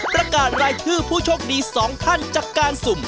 ประกาศรายชื่อผู้โชคดี๒ท่านจากการสุ่ม